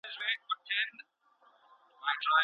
پخوا ناوړه عرفونه ډير زيات ول.